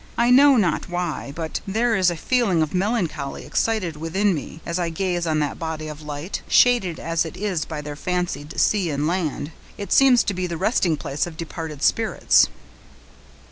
I know not why, but there is a feeling of melancholy excited within me as I gaze on that body of light, shaded as it is by your fancied sea and land. It seems to be the resting place of departed spirits!"